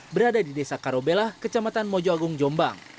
berada di desa karobela kecamatan mojoagung jombang